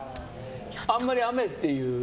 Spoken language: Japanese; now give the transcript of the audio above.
あんまり雨っていう。